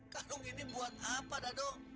karung ini buat apa dadong